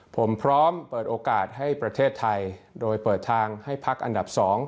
ผมพร้อมเปิดโอกาสให้ประเทศไทยโดยเปิดทางให้พักอันดับ๒